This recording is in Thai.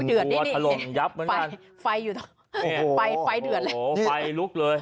อุ้ยเดือดนี่ไฟอยู่ตรงนี้ไฟเดือดเลยโอ้โหไฟลุกเลย